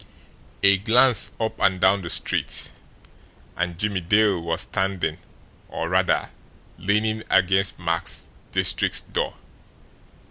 A glance up and down the street, and Jimmie Dale was standing, or, rather, leaning against Max Diestricht's door.